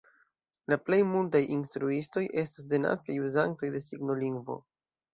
La plej multaj instruistoj estas denaskaj uzantoj de signolingvo.